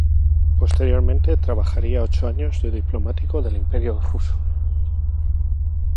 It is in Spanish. Posteriormente trabajaría ocho años de diplomático del Imperio ruso.